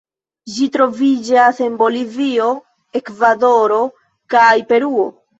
Ĝi troviĝas en Bolivio, Ekvadoro kaj Peruo.